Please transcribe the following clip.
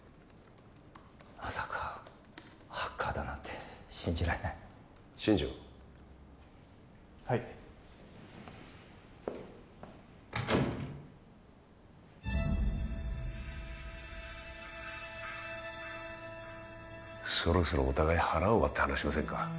まさかハッカーだなんて信じられない新庄はいそろそろお互い腹を割って話しませんか